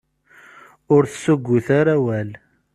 Ur tessuggut ara awal.